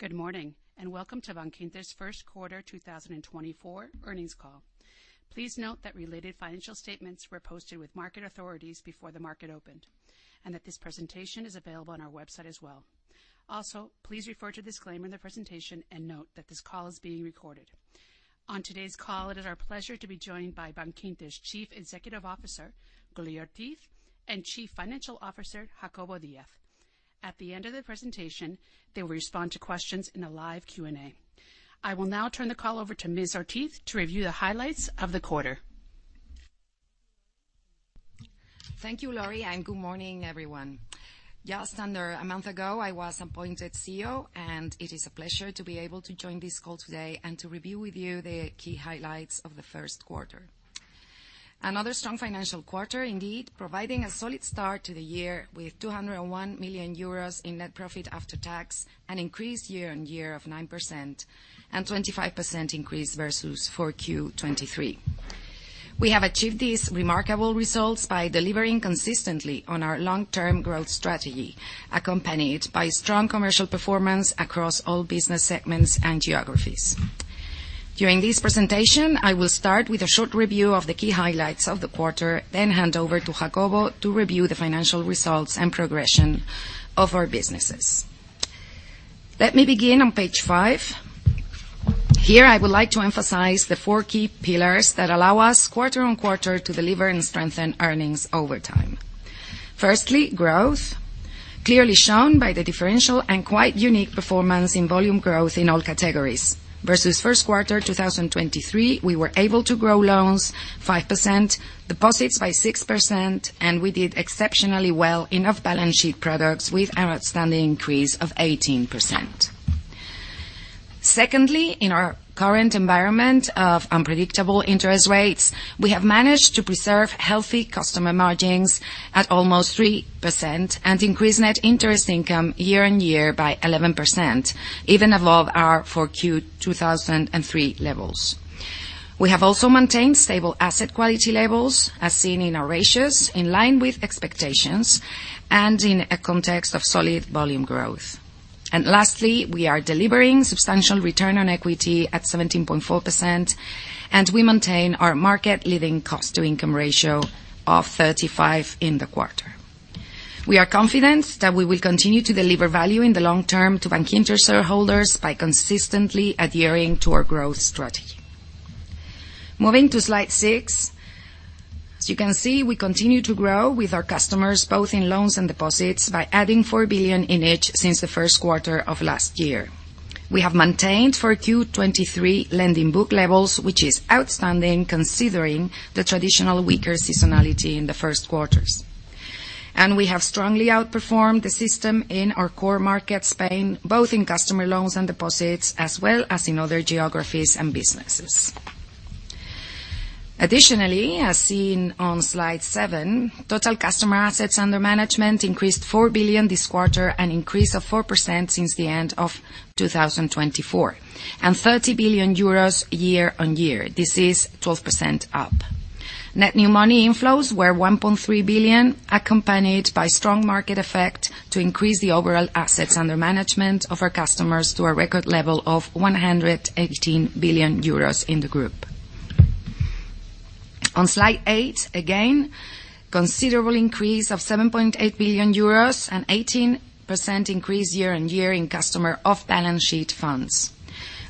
Good morning and welcome to Bankinter's first quarter 2024 earnings call. Please note that related financial statements were posted with market authorities before the market opened, and that this presentation is available on our website as well. Also, please refer to the disclaimer in the presentation and note that this call is being recorded. On today's call, it is our pleasure to be joined by Bankinter's Chief Executive Officer Gloria Ortiz and Chief Financial Officer Jacobo Díaz. At the end of the presentation, they will respond to questions in the live Q&A. I will now turn the call over to Ms. Ortiz to review the highlights of the quarter. Thank you, Laurie, and good morning, everyone. Yes, under a month ago I was appointed CEO, and it is a pleasure to be able to join this call today and to review with you the key highlights of the first quarter. Another strong financial quarter, indeed, providing a solid start to the year with 201 million euros in net profit after tax and an increase year on year of 9% and 25% increase versus 4Q23. We have achieved these remarkable results by delivering consistently on our long-term growth strategy, accompanied by strong commercial performance across all business segments and geographies. During this presentation, I will start with a short review of the key highlights of the quarter, then hand over to Jacobo to review the financial results and progression of our businesses. Let me begin on page five. Here, I would like to emphasize the four key pillars that allow us quarter-on-quarter to deliver and strengthen earnings over time. Firstly, growth, clearly shown by the differential and quite unique performance in volume growth in all categories. Versus first quarter 2023, we were able to grow loans 5%, deposits by 6%, and we did exceptionally well in off-balance sheet products with an outstanding increase of 18%. Secondly, in our current environment of unpredictable interest rates, we have managed to preserve healthy customer margins at almost 3% and increase net interest income year-on-year by 11%, even above our 4Q 2023 levels. We have also maintained stable asset quality levels, as seen in our ratios, in line with expectations and in a context of solid volume growth. And lastly, we are delivering substantial return on equity at 17.4%, and we maintain our market leading cost-to-income ratio of 35% in the quarter. We are confident that we will continue to deliver value in the long term to Bankinter shareholders by consistently adhering to our growth strategy. Moving to slide 6. As you can see, we continue to grow with our customers both in loans and deposits by adding 4 billion in each since the first quarter of last year. We have maintained 4Q23 lending book levels, which is outstanding considering the traditional weaker seasonality in the first quarters. And we have strongly outperformed the system in our core market, Spain, both in customer loans and deposits as well as in other geographies and businesses. Additionally, as seen on slide seven, total customer assets under management increased 4 billion this quarter, an increase of 4% since the end of 2024, and 30 billion euros year-on-year. This is 12% up. Net new money inflows were 1.3 billion, accompanied by strong market effect to increase the overall assets under management of our customers to a record level of 118 billion euros in the group. On slide eight, again, considerable increase of 7.8 billion euros and 18% increase year-on-year in customer off-balance sheet funds.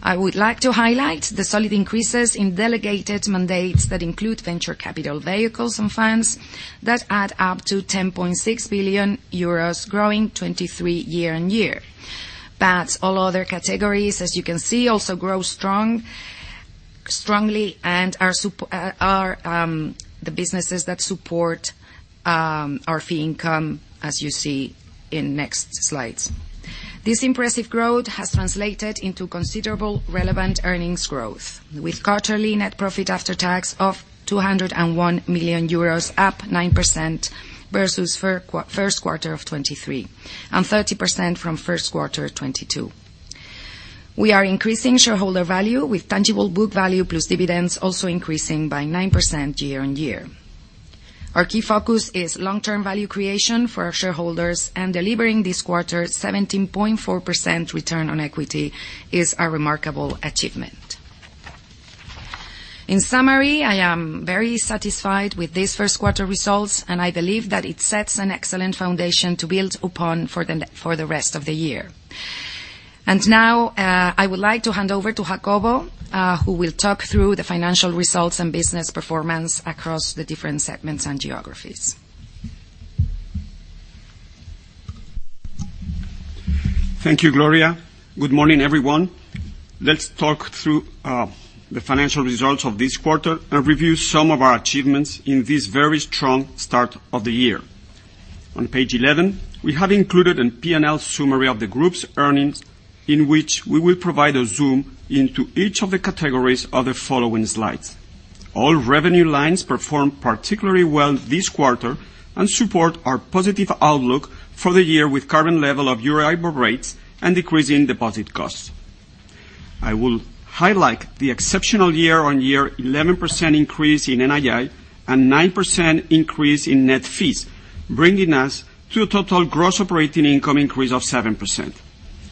I would like to highlight the solid increases in delegated mandates that include venture capital vehicles and funds that add up to 10.6 billion euros, growing 23% year-on-year. But all other categories, as you can see, also grow strongly and are the businesses that support our fee income, as you see in next slides. This impressive growth has translated into considerable relevant earnings growth, with quarterly net profit after tax of 201 million euros up 9% versus first quarter of 2023 and 30% from first quarter 2022. We are increasing shareholder value, with tangible book value plus dividends also increasing by 9% year-on-year. Our key focus is long-term value creation for our shareholders, and delivering this quarter 17.4% return on equity is a remarkable achievement. In summary, I am very satisfied with this first quarter results, and I believe that it sets an excellent foundation to build upon for the rest of the year. Now I would like to hand over to Jacobo, who will talk through the financial results and business performance across the different segments and geographies. Thank you, Gloria. Good morning, everyone. Let's talk through the financial results of this quarter and review some of our achievements in this very strong start of the year. On page 11, we have included a P&L summary of the group's earnings, in which we will provide a zoom into each of the categories of the following slides. All revenue lines performed particularly well this quarter and support our positive outlook for the year, with capping level of Euribor rates and decreasing deposit costs. I will highlight the exceptional year-on-year 11% increase in NII and 9% increase in net fees, bringing us to a total gross operating income increase of 7%.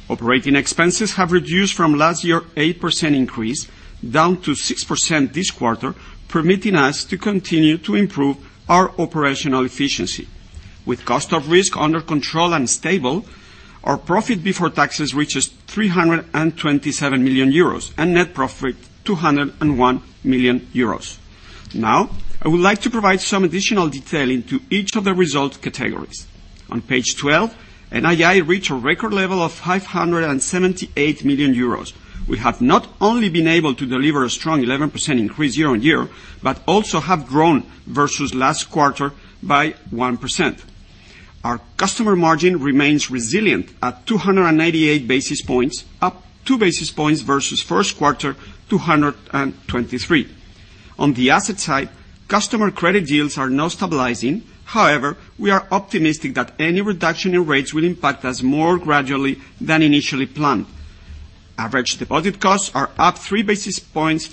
Operating expenses have reduced from last year's 8% increase down to 6% this quarter, permitting us to continue to improve our operational efficiency. With cost of risk under control and stable, our profit before taxes reaches 327 million euros and net profit 201 million euros. Now, I would like to provide some additional detail into each of the result categories. On page 12, NII reached a record level of 578 million euros. We have not only been able to deliver a strong 11% increase year-on-year but also have grown versus last quarter by 1%. Our customer margin remains resilient at 288 basis points, up two basis points versus first quarter 2023. On the asset side, customer credit deals are now stabilizing. However, we are optimistic that any reduction in rates will impact us more gradually than initially planned. Average deposit costs are up three basis points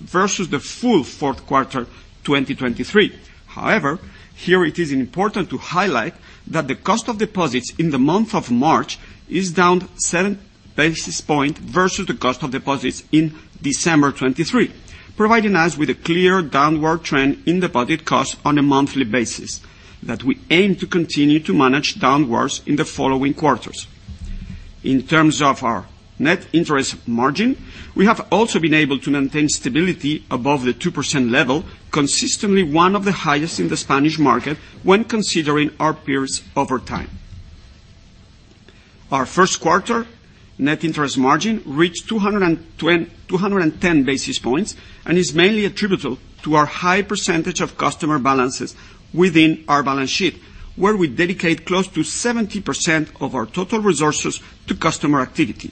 versus the full fourth quarter 2023. However, here it is important to highlight that the cost of deposits in the month of March is down seven basis points versus the cost of deposits in December 2023, providing us with a clear downward trend in deposit costs on a monthly basis that we aim to continue to manage downwards in the following quarters. In terms of our net interest margin, we have also been able to maintain stability above the 2% level, consistently one of the highest in the Spanish market when considering our peers over time. Our first quarter net interest margin reached 210 basis points and is mainly attributable to our high percentage of customer balances within our balance sheet, where we dedicate close to 70% of our total resources to customer activity,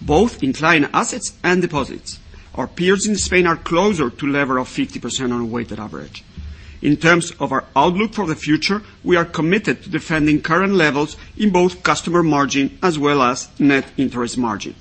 both in client assets and deposits. Our peers in Spain are closer to a level of 50% on a weighted average. In terms of our outlook for the future, we are committed to defending current levels in both customer margin as well as net interest margin.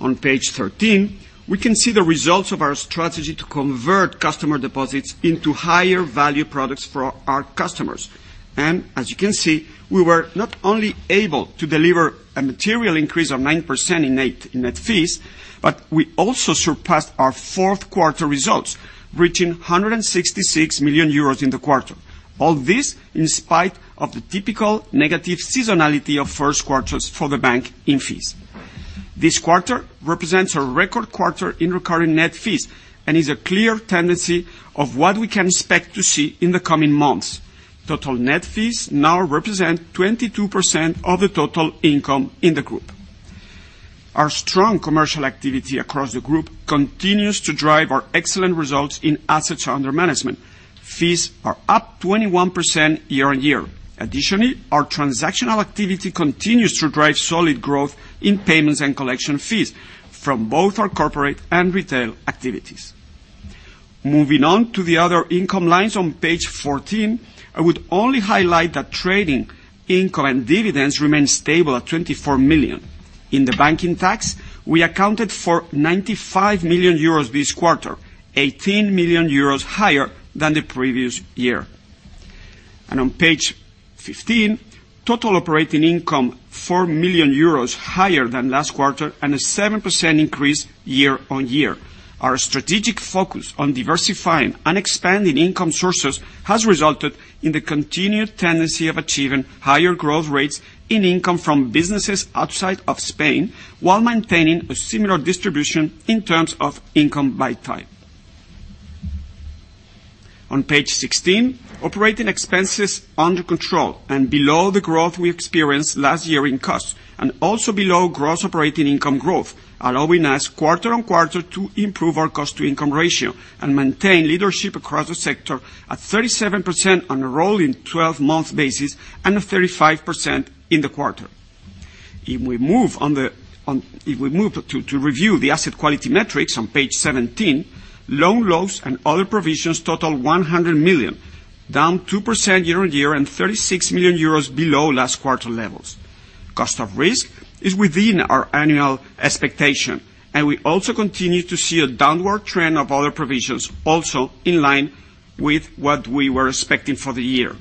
On page 13, we can see the results of our strategy to convert customer deposits into higher-value products for our customers. As you can see, we were not only able to deliver a material increase of 9% in net fees, but we also surpassed our fourth quarter results, reaching 166 million euros in the quarter. All this in spite of the typical negative seasonality of first quarters for the bank in fees. This quarter represents a record quarter in recurring net fees and is a clear tendency of what we can expect to see in the coming months. Total net fees now represent 22% of the total income in the group. Our strong commercial activity across the group continues to drive our excellent results in assets under management. Fees are up 21% year-over-year. Additionally, our transactional activity continues to drive solid growth in payments and collection fees from both our corporate and retail activities. Moving on to the other income lines on page 14, I would only highlight that trading income and dividends remain stable at 24 million. In the banking tax, we accounted for 95 million euros this quarter, 18 million euros higher than the previous year. On page 15, total operating income 4 million euros higher than last quarter and a 7% increase year-over-year. Our strategic focus on diversifying and expanding income sources has resulted in the continued tendency of achieving higher growth rates in income from businesses outside of Spain while maintaining a similar distribution in terms of income by type. On page 16, operating expenses under control and below the growth we experienced last year in costs and also below gross operating income growth, allowing us quarter-on-quarter to improve our cost-to-income ratio and maintain leadership across the sector at 37% on a rolling 12-month basis and a 35% in the quarter. If we move to review the asset quality metrics on page 17, loan loss and other provisions total 100 million, down 2% year-on-year and 36 million euros below last quarter levels. Cost of risk is within our annual expectation, and we also continue to see a downward trend of other provisions also in line with what we were expecting for the year.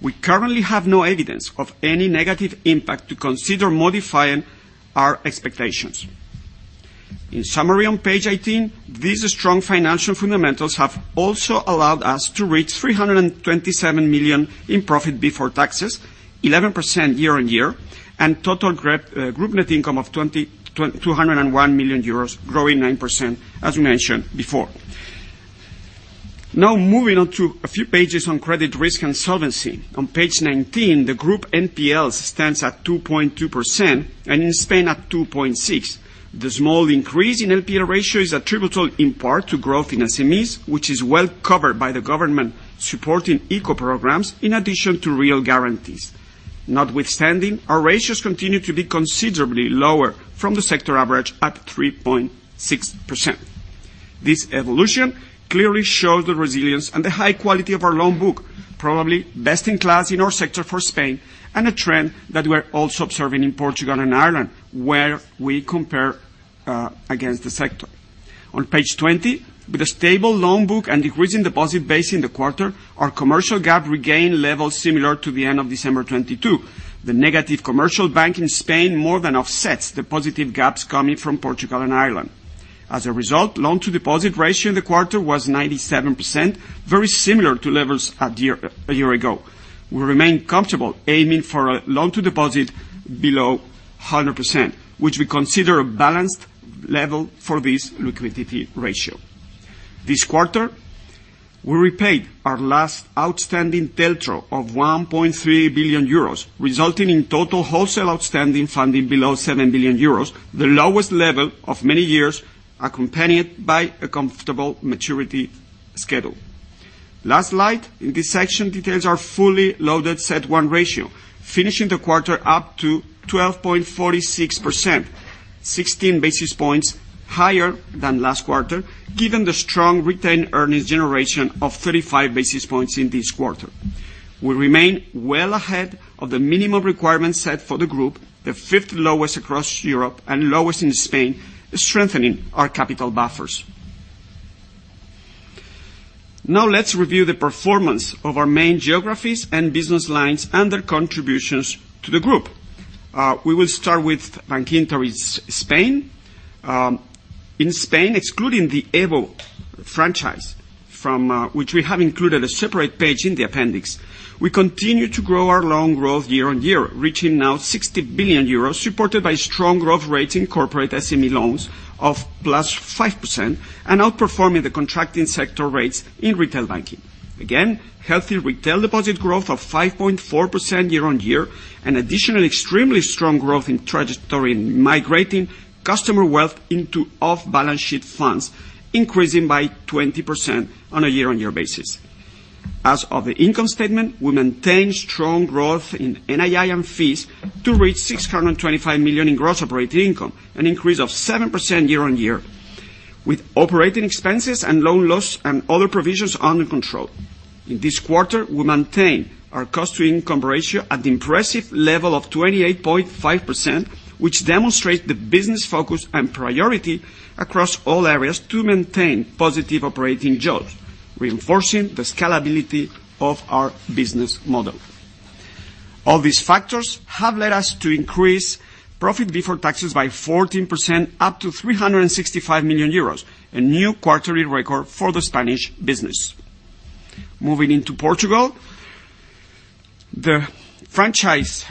We currently have no evidence of any negative impact to consider modifying our expectations. In summary, on page 18, these strong financial fundamentals have also allowed us to reach 327 million in profit before taxes, 11% year-over-year, and total group net income of 201 million euros, growing 9%, as we mentioned before. Now, moving on to a few pages on credit risk and solvency. On page 19, the group NPL stands at 2.2% and in Spain at 2.6%. The small increase in NPL ratio is attributable in part to growth in SMEs, which is well covered by the government-supporting ICO programs in addition to real guarantees. Notwithstanding, our ratios continue to be considerably lower from the sector average, up 3.6%. This evolution clearly shows the resilience and the high quality of our loan book, probably best in class in our sector for Spain, and a trend that we are also observing in Portugal and Ireland, where we compare against the sector. On page 20, with a stable loan book and decreasing deposit base in the quarter, our commercial gap regained levels similar to the end of December 2022. The negative commercial gap in Spain more than offsets the positive gaps coming from Portugal and Ireland. As a result, loan-to-deposit ratio in the quarter was 97%, very similar to levels a year ago. We remain comfortable aiming for a loan-to-deposit below 100%, which we consider a balanced level for this liquidity ratio. This quarter, we repaid our last outstanding TLTRO of 1.3 billion euros, resulting in total wholesale outstanding funding below 7 billion euros, the lowest level of many years, accompanied by a comfortable maturity schedule. Last slide. In this section, details are fully loaded CET1 ratio, finishing the quarter up to 12.46%, 16 basis points higher than last quarter, given the strong retained earnings generation of 35 basis points in this quarter. We remain well ahead of the minimum requirements set for the group, the fifth lowest across Europe and lowest in Spain, strengthening our capital buffers. Now, let's review the performance of our main geographies and business lines and their contributions to the group. We will start with Bankinter Spain. In Spain, excluding the EVO franchise, from which we have included a separate page in the appendix, we continue to grow our loan growth year-on-year, reaching now 60 billion euros, supported by strong growth rates in corporate SME loans of +5% and outperforming the contracting sector rates in retail banking. Again, healthy retail deposit growth of 5.4% year-on-year and additionally extremely strong growth in migrating customer wealth into off-balance sheet funds, increasing by 20% on a year-on-year basis. As of the income statement, we maintain strong growth in NII and fees to reach 625 million in gross operating income, an increase of 7% year-on-year, with operating expenses and loan loss and other provisions under control. In this quarter, we maintain our cost-to-income ratio at the impressive level of 28.5%, which demonstrates the business focus and priority across all areas to maintain positive operating jaws, reinforcing the scalability of our business model. All these factors have led us to increase profit before taxes by 14%, up to 365 million euros, a new quarterly record for the Spanish business. Moving into Portugal, the franchise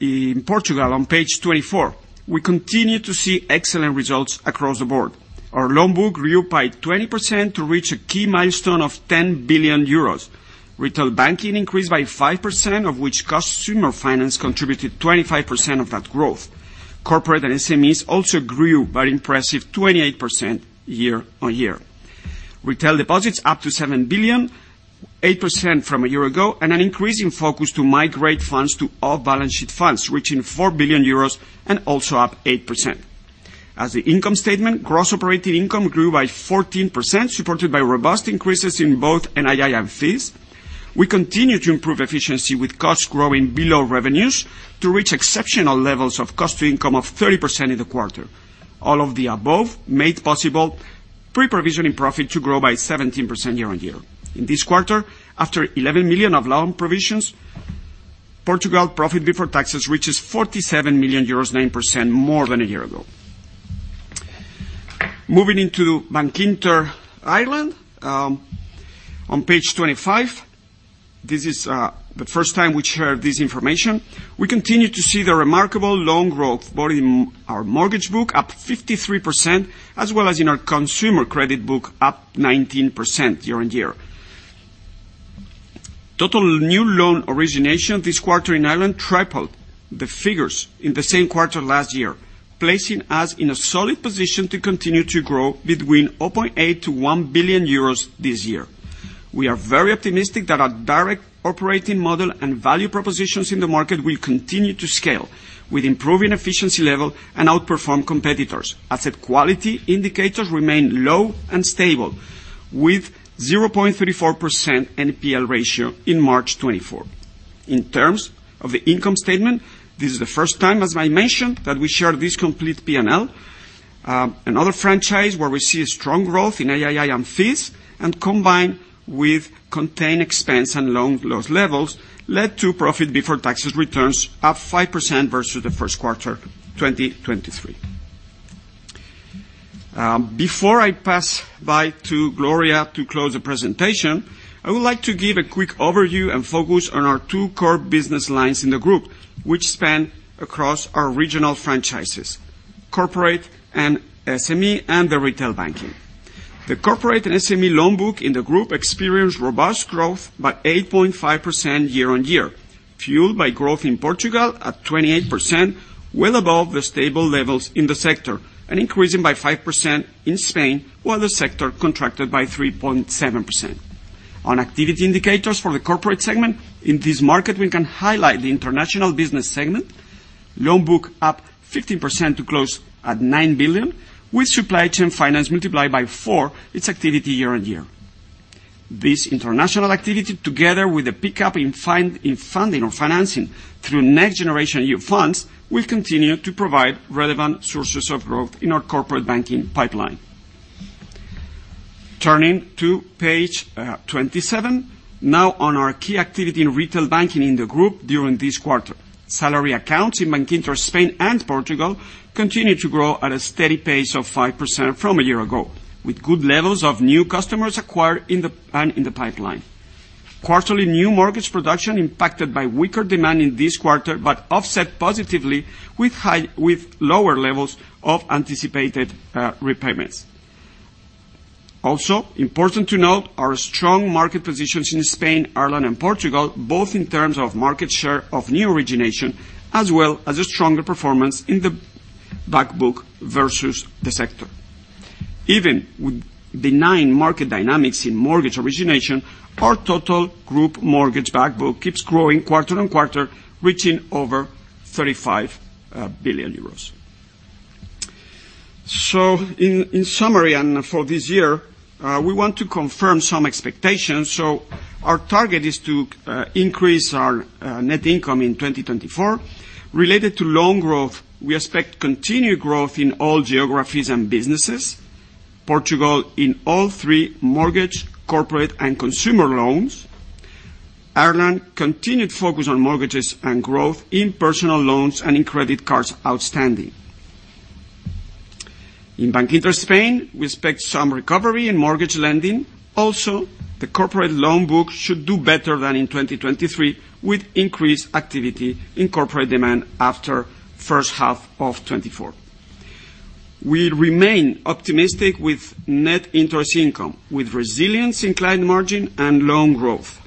in Portugal, on page 24, we continue to see excellent results across the board. Our loan book grew by 20% to reach a key milestone of 10 billion euros. Retail banking increased by 5%, of which customer finance contributed 25% of that growth. Corporate and SMEs also grew by an impressive 28% year-on-year. Retail deposits, up to 7 billion, 8% from a year ago, and an increase in focus to migrate funds to off-balance sheet funds, reaching 4 billion euros and also up 8%. As the income statement, gross operating income grew by 14%, supported by robust increases in both NII and fees. We continue to improve efficiency, with costs growing below revenues to reach exceptional levels of cost-to-income of 30% in the quarter. All of the above made possible pre-provisioning profit to grow by 17% year-on-year. In this quarter, after 11 million of loan provisions, Portugal profit before taxes reaches 47 million euros, 9% more than a year ago. Moving into Bankinter Ireland, on page 25, this is the first time we share this information. We continue to see the remarkable loan growth, both in our mortgage book, up 53%, as well as in our consumer credit book, up 19% year-on-year. Total new loan origination this quarter in Ireland tripled the figures in the same quarter last year, placing us in a solid position to continue to grow between 0.8 billion-1 billion euros this year. We are very optimistic that our direct operating model and value propositions in the market will continue to scale, with improving efficiency level and outperform competitors. Asset quality indicators remain low and stable, with 0.34% NPL ratio in March 2024. In terms of the income statement, this is the first time, as I mentioned, that we share this complete P&L. Another franchise where we see strong growth in NII and fees, and combined with contained expense and loan loss levels, led to profit before taxes returns up 5% versus the first quarter 2023. Before I pass by to Gloria to close the presentation, I would like to give a quick overview and focus on our two core business lines in the group, which span across our regional franchises: corporate and SME and the retail banking. The corporate and SME loan book in the group experienced robust growth by 8.5% year-on-year, fueled by growth in Portugal at 28%, well above the stable levels in the sector, and increasing by 5% in Spain, while the sector contracted by 3.7%. On activity indicators for the corporate segment, in this market, we can highlight the international business segment, loan book up 15% to close at 9 billion, with supply chain finance multiplied by 4% its activity year-on-year. This international activity, together with a pickup in funding or financing through Next Generation funds, will continue to provide relevant sources of growth in our corporate banking pipeline. Turning to page 27, now on our key activity in retail banking in the group during this quarter, salary accounts in Bankinter Spain and Portugal continue to grow at a steady pace of 5% from a year ago, with good levels of new customers acquired and in the pipeline. Quarterly new mortgage production impacted by weaker demand in this quarter but offset positively with lower levels of anticipated repayments. Also, important to note our strong market positions in Spain, Ireland, and Portugal, both in terms of market share of new origination as well as a stronger performance in the backbook versus the sector. Even with benign market dynamics in mortgage origination, our total group mortgage backbook keeps growing quarter on quarter, reaching over 35 billion euros. So in summary and for this year, we want to confirm some expectations. So our target is to increase our net income in 2024. Related to loan growth, we expect continued growth in all geographies and businesses: Portugal in all three mortgage, corporate, and consumer loans; Ireland, continued focus on mortgages and growth in personal loans and in credit cards outstanding. In Bankinter Spain, we expect some recovery in mortgage lending. Also, the corporate loan book should do better than in 2023, with increased activity in corporate demand after first half of 2024. We remain optimistic with net interest income, with resilience in client margin and loan growth.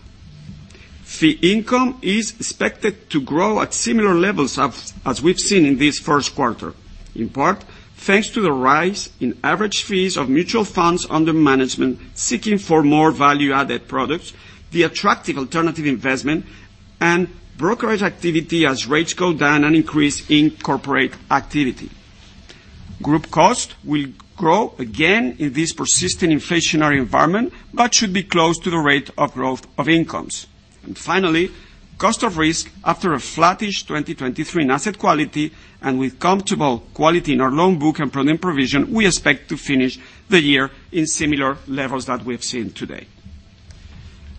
Fee income is expected to grow at similar levels as we've seen in this first quarter, in part thanks to the rise in average fees of mutual funds under management seeking for more value-added products, the attractive alternative investment, and brokerage activity as rates go down and increase in corporate activity. Group cost will grow again in this persistent inflationary environment but should be close to the rate of growth of incomes. And finally, cost of risk after a flattish 2023 in asset quality and with comfortable quality in our loan book and prudent provisioning, we expect to finish the year in similar levels that we've seen today.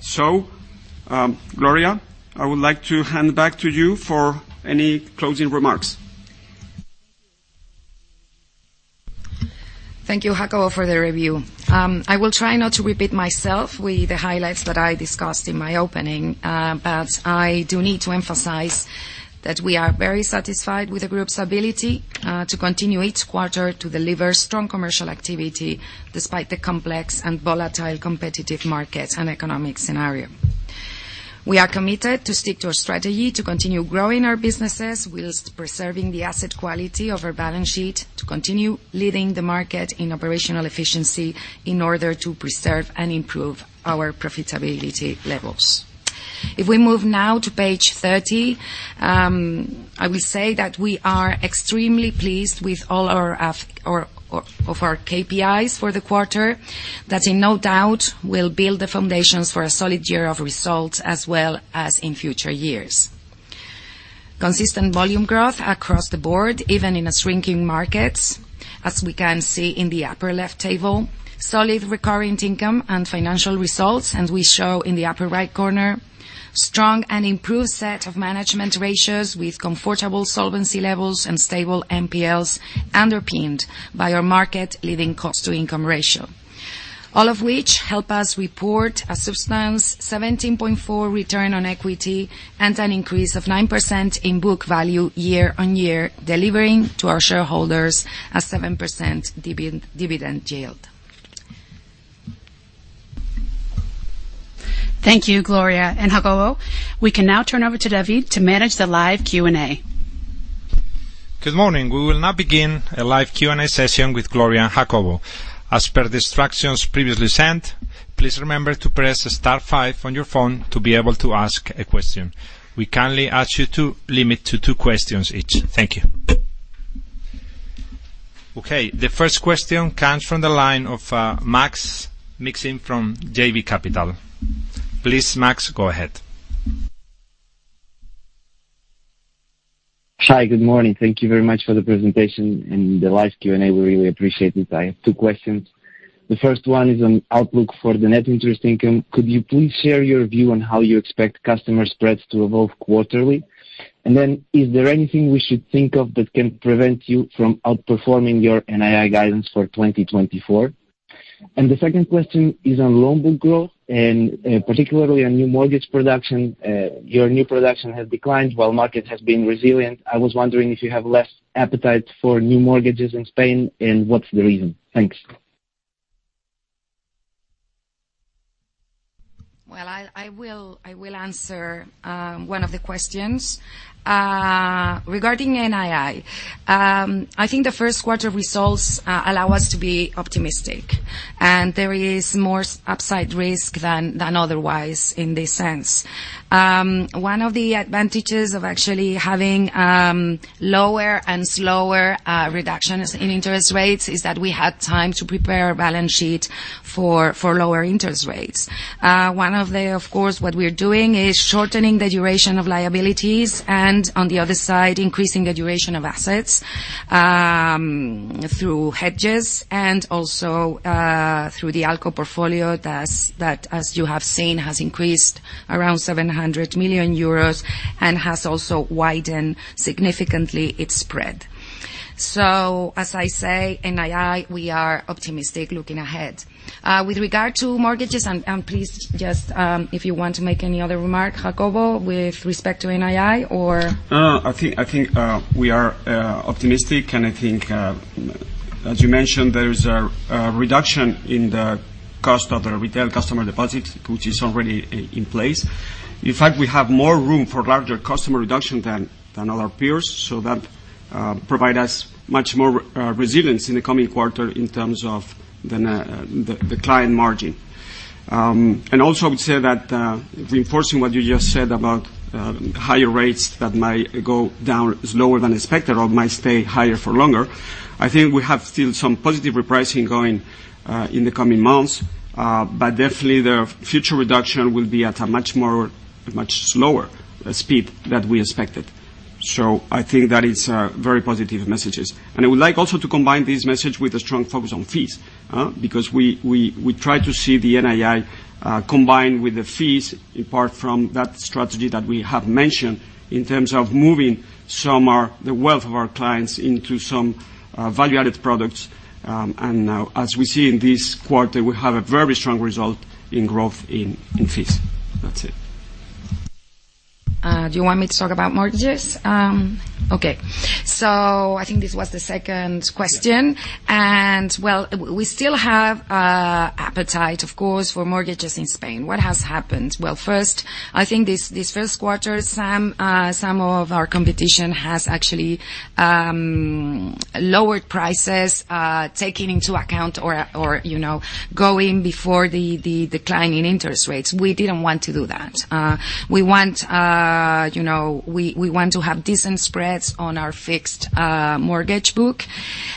So Gloria, I would like to hand back to you for any closing remarks. Thank you, Jacobo, for the review. I will try not to repeat myself with the highlights that I discussed in my opening, but I do need to emphasize that we are very satisfied with the group's ability to continue each quarter to deliver strong commercial activity despite the complex and volatile competitive market and economic scenario. We are committed to stick to our strategy to continue growing our businesses whilst preserving the asset quality of our balance sheet, to continue leading the market in operational efficiency in order to preserve and improve our profitability levels. If we move now to page 30, I will say that we are extremely pleased with all of our KPIs for the quarter, that in no doubt will build the foundations for a solid year of results as well as in future years. Consistent volume growth across the board, even in shrinking markets, as we can see in the upper left table, solid recurrent income and financial results, and we show in the upper right corner, strong and improved set of management ratios with comfortable solvency levels and stable NPLs underpinned by our market-leading cost-to-income ratio, all of which help us report a substantial 17.4% return on equity and an increase of 9% in book value year-on-year, delivering to our shareholders a 7% dividend yield. Thank you, Gloria and Jacobo. We can now turn over to David to manage the live Q&A. Good morning. We will now begin a live Q&A session with Gloria and Jacobo. As per the instructions previously sent, please remember to press star five on your phone to be able to ask a question. We kindly ask you to limit to two questions each. Thank you. Okay. The first question comes from the line of Maksym Mishyn from JB Capital Markets. Please, Maksym, go ahead. Hi. Good morning. Thank you very much for the presentation and the live Q&A. We really appreciate it. I have two questions. The first one is on outlook for the net interest income. Could you please share your view on how you expect customer spreads to evolve quarterly? And then, is there anything we should think of that can prevent you from outperforming your NII guidance for 2024? And the second question is on loan book growth and particularly on new mortgage production. Your new production has declined while market has been resilient. I was wondering if you have less appetite for new mortgages in Spain and what's the reason. Thanks. Well, I will answer one of the questions. Regarding NII, I think the first quarter results allow us to be optimistic, and there is more upside risk than otherwise in this sense. One of the advantages of actually having lower and slower reductions in interest rates is that we had time to prepare our balance sheet for lower interest rates. Of course, what we're doing is shortening the duration of liabilities and, on the other side, increasing the duration of assets through hedges and also through the ALCO portfolio that, as you have seen, has increased around 700 million euros and has also widened significantly its spread. So as I say, NII, we are optimistic looking ahead. With regard to mortgages, and please just if you want to make any other remark, Jacobo, with respect to NII or? I think we are optimistic, and I think, as you mentioned, there is a reduction in the cost of the retail customer deposit, which is already in place. In fact, we have more room for larger customer reduction than other peers, so that provides us much more resilience in the coming quarter in terms of the client margin. And also, I would say that reinforcing what you just said about higher rates that might go down slower than expected or might stay higher for longer, I think we have still some positive repricing going in the coming months, but definitely, the future reduction will be at a much slower speed that we expected. So I think that is very positive messages. And I would like also to combine this message with a strong focus on fees because we try to see the NII combined with the fees in part from that strategy that we have mentioned in terms of moving some of the wealth of our clients into some value-added products. And as we see in this quarter, we have a very strong result in growth in fees. That's it. Do you want me to talk about mortgages? Okay. So I think this was the second question. And well, we still have appetite, of course, for mortgages in Spain. What has happened? Well, first, I think this first quarter, some of our competition has actually lowered prices, taking into account or going before the decline in interest rates. We didn't want to do that. We want to have decent spreads on our fixed mortgage book,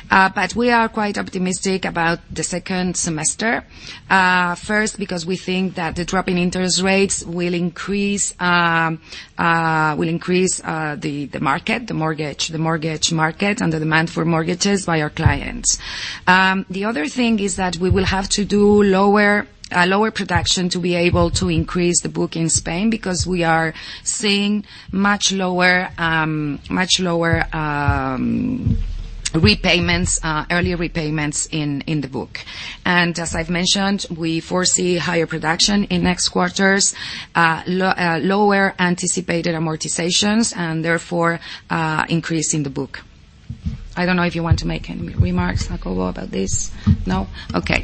but we are quite optimistic about the second semester. First, because we think that the drop in interest rates will increase the market, the mortgage market, and the demand for mortgages by our clients. The other thing is that we will have to do lower production to be able to increase the book in Spain because we are seeing much lower repayments, earlier repayments in the book. And as I've mentioned, we foresee higher production in next quarters, lower anticipated amortizations, and therefore, increase in the book. I don't know if you want to make any remarks, Jacobo, about this. No? Okay.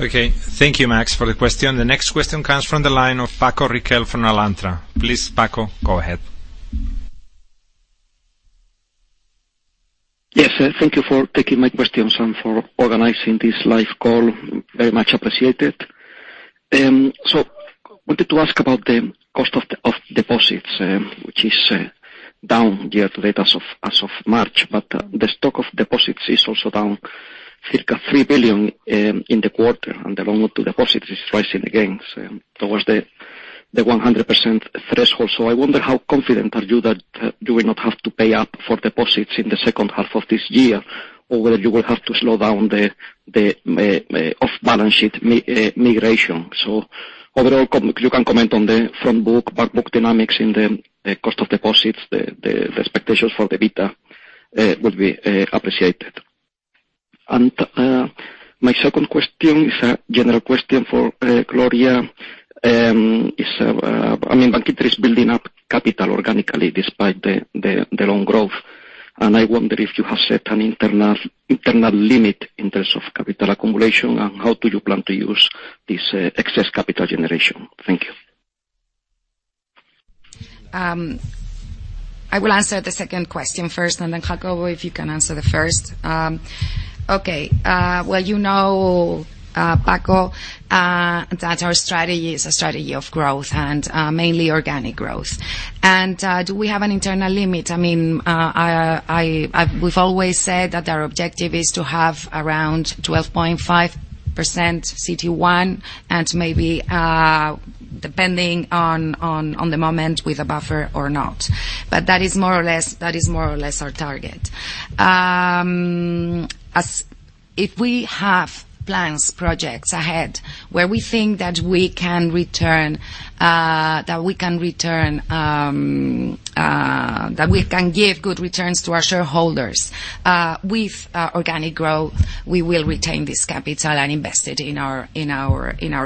Okay. Thank you, Max, for the question. The next question comes from the line of Francisco Riquel from Alantra. Please, Francisco, go ahead. Yes. Thank you for taking my questions and for organizing this live call. Very much appreciated. So I wanted to ask about the cost of deposits, which is down year to date as of March, but the stock of deposits is also down circa 3 billion in the quarter, and the loan book deposits is rising again towards the 100% threshold. So I wonder how confident are you that you will not have to pay up for deposits in the second half of this year or whether you will have to slow down the off-balance sheet migration. So overall, you can comment on the front book, backbook dynamics in the cost of deposits. The expectations for the beta will be appreciated. And my second question is a general question for Gloria. I mean, Bankinter is building up capital organically despite the loan growth, and I wonder if you have set an internal limit in terms of capital accumulation and how do you plan to use this excess capital generation. Thank you. I will answer the second question first, and then Jacobo, if you can answer the first. Okay. Well, you know, Paco, that our strategy is a strategy of growth and mainly organic growth. Do we have an internal limit? I mean, we've always said that our objective is to have around 12.5% CET1 and maybe depending on the moment with a buffer or not, but that is more or less our target. If we have plans, projects ahead where we think that we can return, that we can return, that we can give good returns to our shareholders with organic growth, we will retain this capital and invest it in our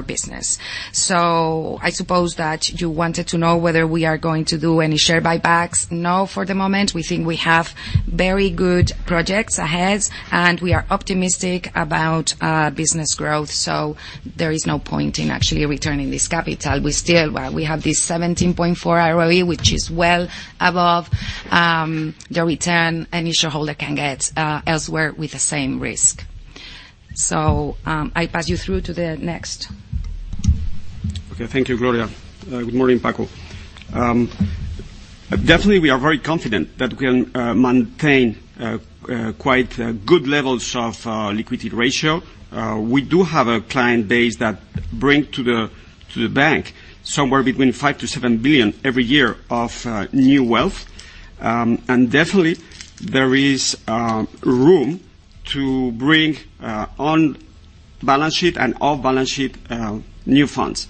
business. So I suppose that you wanted to know whether we are going to do any share buybacks. No, for the moment. We think we have very good projects ahead, and we are optimistic about business growth, so there is no point in actually returning this capital. We have this 17.4% ROE, which is well above the return any shareholder can get elsewhere with the same risk. So I'll pass you through to the next. Okay. Thank you, Gloria. Good morning, Paco. Definitely, we are very confident that we can maintain quite good levels of liquidity ratio. We do have a client base that brings to the bank somewhere between 5-7 billion every year of new wealth, and definitely, there is room to bring on balance sheet and off-balance sheet new funds.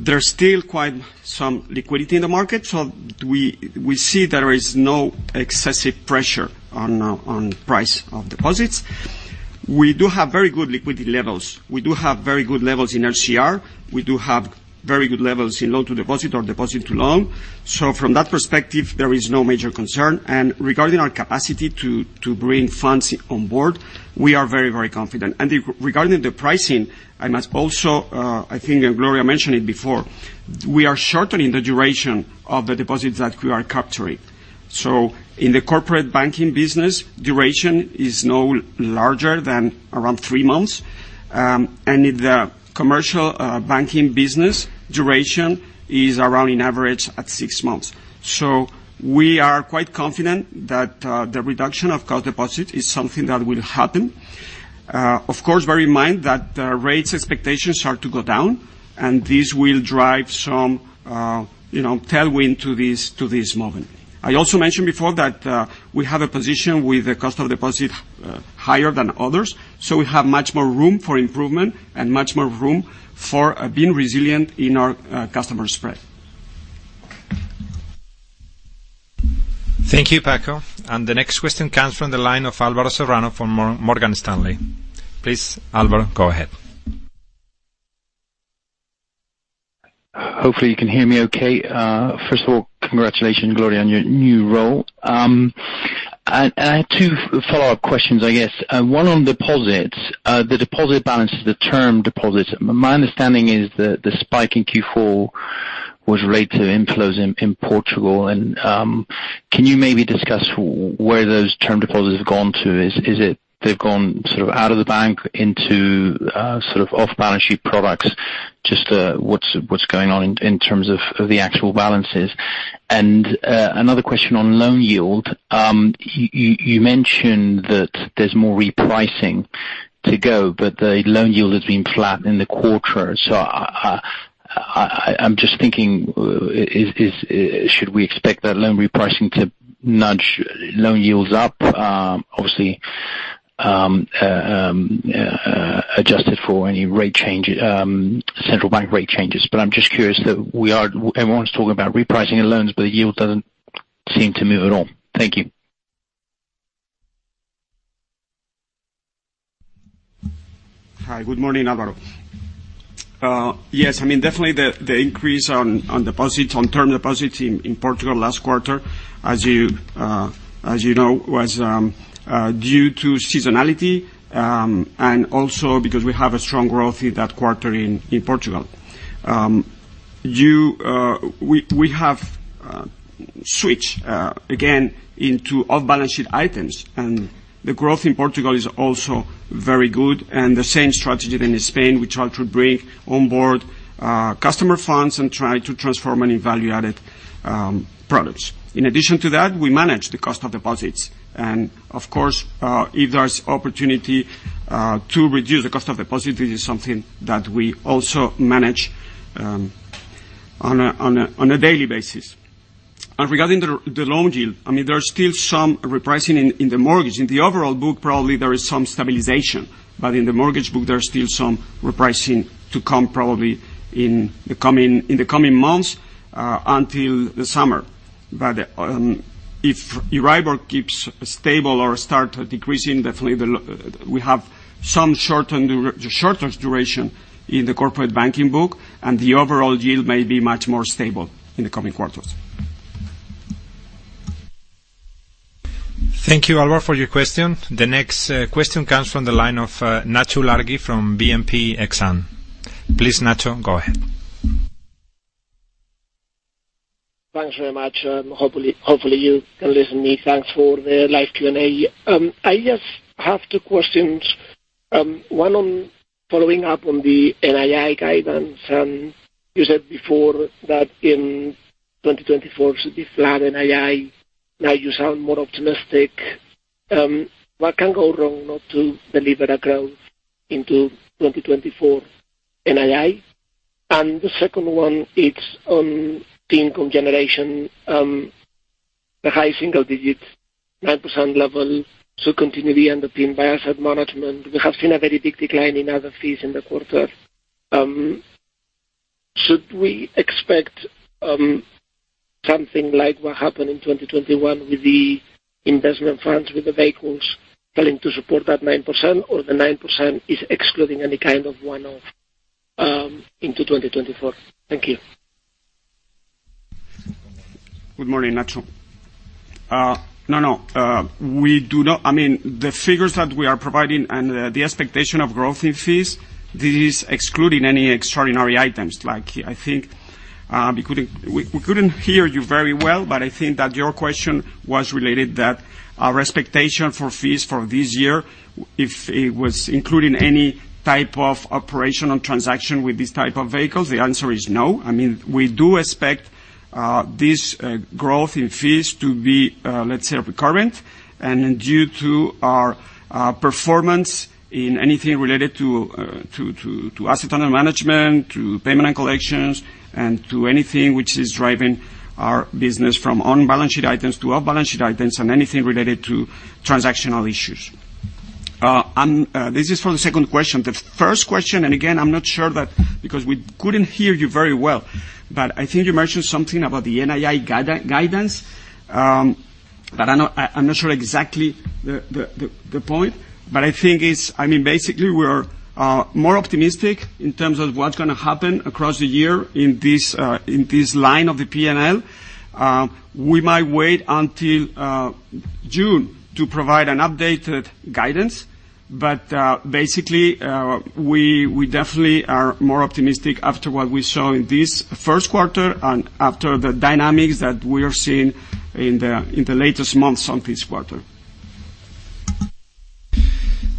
There's still quite some liquidity in the market, so we see that there is no excessive pressure on price of deposits. We do have very good liquidity levels. We do have very good levels in LCR. We do have very good levels in loan to deposit or deposit to loan. So from that perspective, there is no major concern. And regarding our capacity to bring funds on board, we are very, very confident. And regarding the pricing, I must also I think Gloria mentioned it before. We are shortening the duration of the deposits that we are capturing. So in the corporate banking business, duration is no larger than around three months, and in the commercial banking business, duration is around, on average, at six months. So we are quite confident that the reduction of cost deposit is something that will happen. Of course, bear in mind that rates expectations are to go down, and this will drive some tailwind to this moment. I also mentioned before that we have a position with the cost of deposit higher than others, so we have much more room for improvement and much more room for being resilient in our customer spread. Thank you, Paco. And the next question comes from the line of Álvaro Serrano from Morgan Stanley. Please, Álvaro, go ahead. Hopefully, you can hear me okay. First of all, congratulations, Gloria, on your new role. And I have two follow-up questions, I guess. One on deposits. The deposit balance is the term deposits. My understanding is that the spike in Q4 was related to inflows in Portugal. Can you maybe discuss where those term deposits have gone to? Is it they've gone sort of out of the bank into sort of off-balance sheet products? Just what's going on in terms of the actual balances. Another question on loan yield. You mentioned that there's more repricing to go, but the loan yield has been flat in the quarter. I'm just thinking, should we expect that loan repricing to nudge loan yields up, obviously, adjusted for any central bank rate changes? But I'm just curious that we are everyone's talking about repricing of loans, but the yield doesn't seem to move at all. Thank you. Hi. Good morning, Álvaro. Yes. I mean, definitely, the increase on term deposits in Portugal last quarter, as you know, was due to seasonality and also because we have a strong growth in that quarter in Portugal. We have switched, again, into off-balance sheet items, and the growth in Portugal is also very good and the same strategy than in Spain, which are to bring onboard customer funds and try to transform them in value-added products. In addition to that, we manage the cost of deposits. And of course, if there's opportunity to reduce the cost of deposit, this is something that we also manage on a daily basis. And regarding the loan yield, I mean, there's still some repricing in the mortgage. In the overall book, probably, there is some stabilization, but in the mortgage book, there's still some repricing to come probably in the coming months until the summer. But if Euribor keeps stable or starts decreasing, definitely, we have some shorter duration in the corporate banking book, and the overall yield may be much more stable in the coming quarters. Thank you, Álvaro, for your question. The next question comes from the line of Nacho Ulargui from BNP Paribas Exane. Please, Nacho, go ahead. Thanks very much. Hopefully, you can listen to me. Thanks for the live Q&A. I just have two questions. One on following up on the NII guidance. And you said before that in 2024, should be flat NII. Now you sound more optimistic. What can go wrong not to deliver a growth into 2024 NII? And the second one, it's on income generation, the high single-digit 9% level, should continue being underpinned by asset management. We have seen a very big decline in other fees in the quarter. Should we expect something like what happened in 2021 with the investment funds, with the vehicles telling to support that 9%, or the 9% is excluding any kind of one-off into 2024? Thank you. Good morning, Nacho. No, no. I mean, the figures that we are providing and the expectation of growth in fees, this is excluding any extraordinary items. I think we couldn't hear you very well, but I think that your question was related that our expectation for fees for this year, if it was including any type of operation and transaction with this type of vehicles, the answer is no. I mean, we do expect this growth in fees to be, let's say, recurrent and due to our performance in anything related to asset under management, to payment and collections, and to anything which is driving our business from on-balance sheet items to off-balance sheet items and anything related to transactional issues. This is for the second question. The first question, and again, I'm not sure that because we couldn't hear you very well, but I think you mentioned something about the NII guidance, but I'm not sure exactly the point. But I think it's I mean, basically, we are more optimistic in terms of what's going to happen across the year in this line of the P&L. We might wait until June to provide an updated guidance, but basically, we definitely are more optimistic after what we saw in this first quarter and after the dynamics that we are seeing in the latest months on this quarter.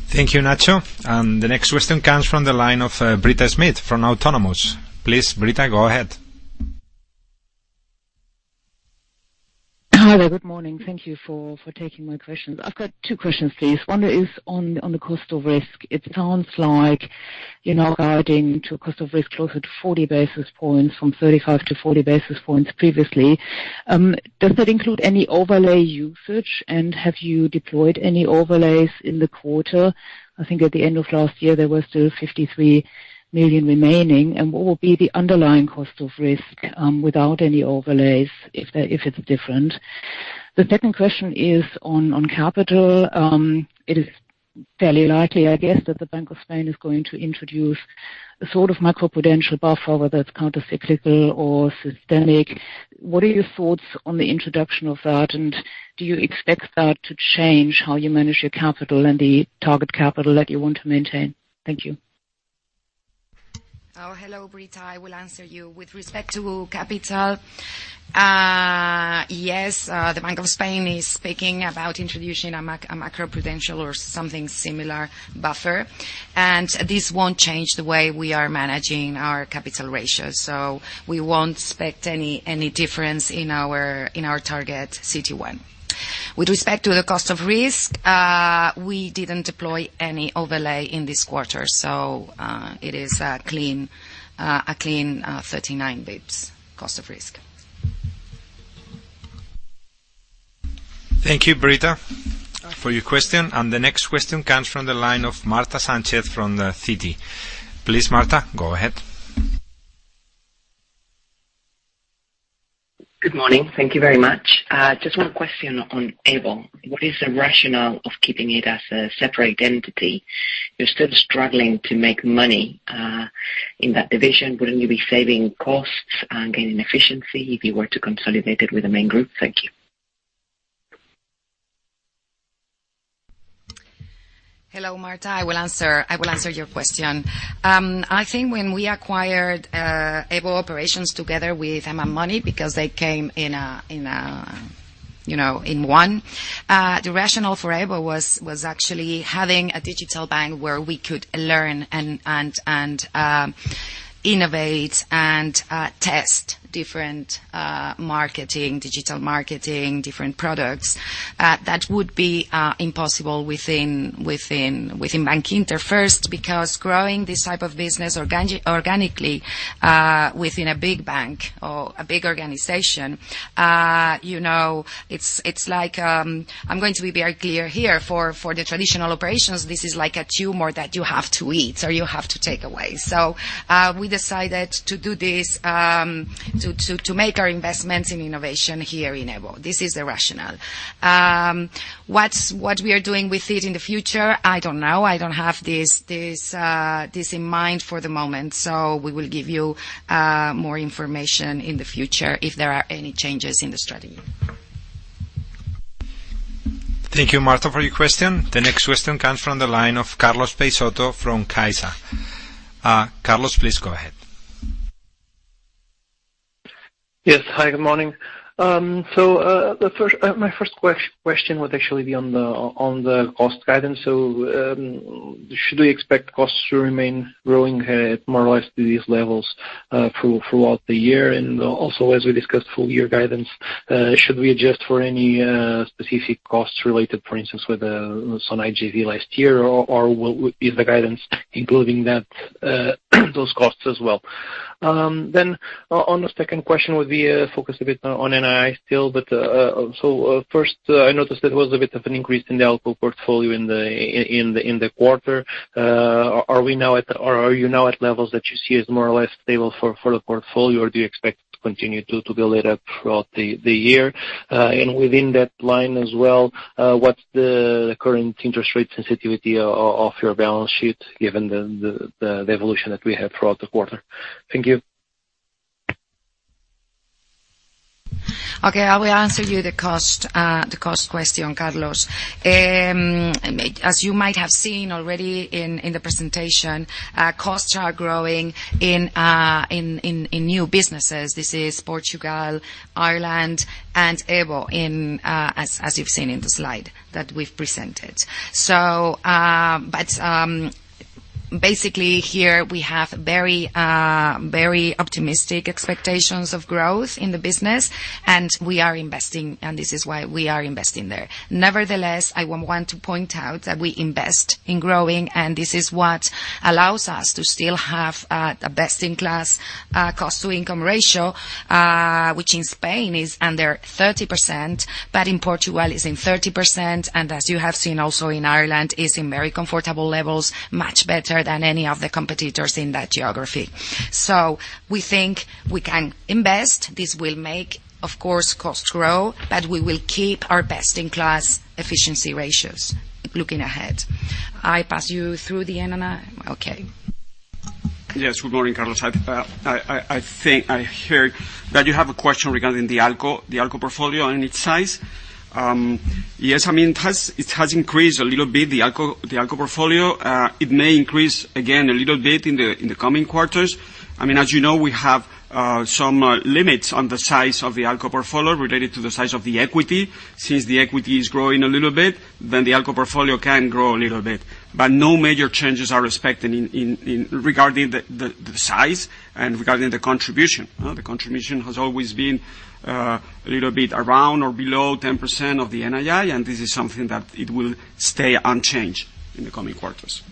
Thank you, Nacho. And the next question comes from the line of Britta Schmidt from Autonomous. Please, Britta, go ahead. Hello. Good morning. Thank you for taking my questions. I've got two questions, please. One is on the cost of risk. It sounds like guiding to a cost of risk closer to 40 basis points from 35 to 40 basis points previously. Does that include any overlay usage, and have you deployed any overlays in the quarter? I think at the end of last year, there were still 53 million remaining. And what would be the underlying cost of risk without any overlays if it's different? The second question is on capital. It is fairly likely, I guess, that the Bank of Spain is going to introduce a sort of macroprudential buffer, whether it's countercyclical or systemic. What are your thoughts on the introduction of that, and do you expect that to change how you manage your capital and the target capital that you want to maintain? Thank you. Hello, Britta. I will answer you. With respect to capital, yes, the Bank of Spain is speaking about introducing a macroprudential or something similar buffer, and this won't change the way we are managing our capital ratios. So we won't expect any difference in our target CET1. With respect to the cost of risk, we didn't deploy any overlay in this quarter, so it is a clean 39 basis points cost of risk. Thank you, Britta, for your question. The next question comes from the line of Marta Sánchez from Citi. Please, Marta, go ahead. Good morning. Thank you very much. Just one question on EVO. What is the rationale of keeping it as a separate entity? You're still struggling to make money in that division. Wouldn't you be saving costs and gaining efficiency if you were to consolidate it with the main group? Thank you. Hello, Marta. I will answer your question. I think when we acquired EVO Operations together with Avant Money because they came in one, the rationale for EVO was actually having a digital bank where we could learn and innovate and test different digital marketing, different products. That would be impossible within Bankinter first because growing this type of business organically within a big bank or a big organization, it's like I'm going to be very clear here. For the traditional operations, this is like a tumor that you have to eat or you have to take away. So we decided to do this, to make our investments in innovation here in EVO. This is the rationale. What we are doing with it in the future, I don't know. I don't have this in mind for the moment, so we will give you more information in the future if there are any changes in the strategy. Thank you, Marta, for your question. The next question comes from the line of Carlos Peixoto from CaixaBank. Carlos, please go ahead. Yes. Hi. Good morning. So my first question would actually be on the cost guidance. So should we expect costs to remain growing at more or less these levels throughout the year? And also, as we discussed full-year guidance, should we adjust for any specific costs related, for instance, with Sonae JV last year, or is the guidance including those costs as well? Then on the second question, we'll be focused a bit on NII still. So first, I noticed there was a bit of an increase in the output portfolio in the quarter. Are we now at or are you now at levels that you see as more or less stable for the portfolio, or do you expect it to continue to build it up throughout the year? And within that line as well, what's the current interest rate sensitivity of your balance sheet given the evolution that we had throughout the quarter? Thank you. Okay. I will answer you the cost question, Carlos. As you might have seen already in the presentation, costs are growing in new businesses. This is Portugal, Ireland, and EVO, as you've seen in the slide that we've presented. But basically, here, we have very optimistic expectations of growth in the business, and we are investing, and this is why we are investing there. Nevertheless, I want to point out that we invest in growing, and this is what allows us to still have a best-in-class cost-to-income ratio, which in Spain is under 30%, but in Portugal, it's in 30%, and as you have seen also in Ireland, it's in very comfortable levels, much better than any of the competitors in that geography. So we think we can invest. This will make, of course, costs grow, but we will keep our best-in-class efficiency ratios looking ahead. I pass you through the N&I. Okay. Yes. Good morning, Carlos. I heard that you have a question regarding the ALCO portfolio and its size. Yes. I mean, it has increased a little bit, the ALCO portfolio. It may increase, again, a little bit in the coming quarters. I mean, as you know, we have some limits on the size of the ALCO portfolio related to the size of the equity. Since the equity is growing a little bit, then the ALCO portfolio can grow a little bit. But no major changes are expected regarding the size and regarding the contribution. The contribution has always been a little bit around or below 10% of the NII, and this is something that it will stay unchanged in the coming quarters.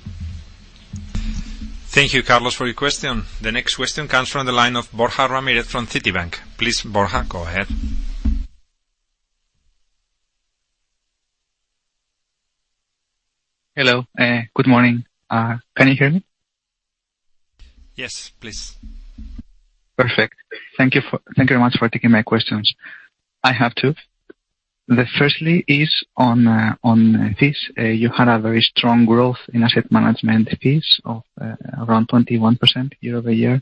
Thank you, Carlos, for your question. The next question comes from the line of Borja Ramírez from Citibank. Please, Borja, go ahead. Hello. Good morning. Can you hear me? Yes, please. Perfect. Thank you very much for taking my questions. I have two. Firstly, is on fees. You had a very strong growth in asset management fees of around 21% year-over-year.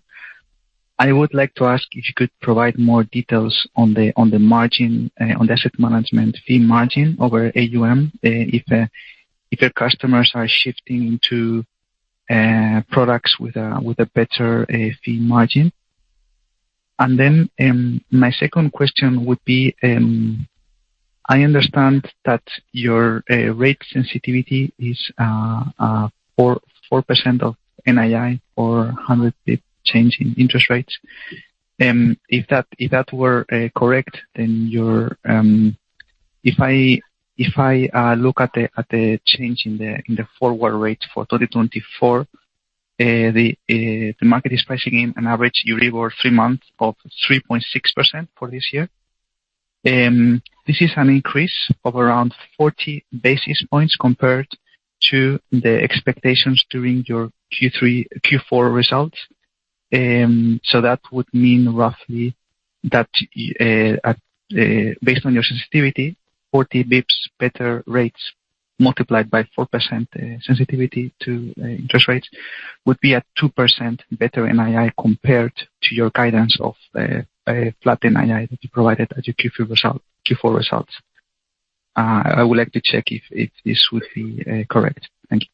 I would like to ask if you could provide more details on the asset management fee margin over AUM if your customers are shifting into products with a better fee margin. And then my second question would be, I understand that your rate sensitivity is 4% of NII or 100 basis points change in interest rates. If that were correct, then if I look at the change in the forward rate for 2024, the market is pricing in an average Euribor three months of 3.6% for this year. This is an increase of around 40 basis points compared to the expectations during your Q4 results. So that would mean roughly that, based on your sensitivity, 40 basis points better rates multiplied by 4% sensitivity to interest rates would be a 2% better NII compared to your guidance of flat NII that you provided at your Q4 results. I would like to check if this would be correct. Thank you.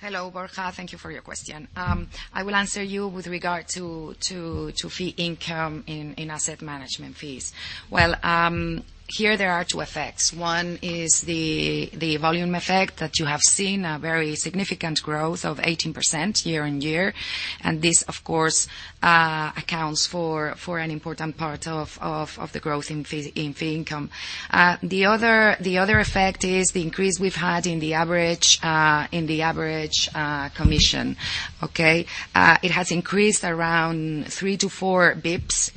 Hello, Borja. Thank you for your question. I will answer you with regard to fee income in asset management fees. Well, here, there are two effects. One is the volume effect that you have seen, a very significant growth of 18% year-on-year, and this, of course, accounts for an important part of the growth in fee income. The other effect is the increase we've had in the average commission. Okay? It has increased around 3-4 basis points